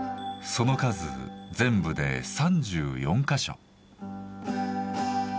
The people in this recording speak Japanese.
その数全部で３４か所。